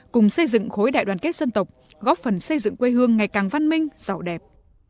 cùng xây dựng khối đại đoàn kết dân tộc góp phần xây dựng quê hương ngày càng văn minh giàu đẹp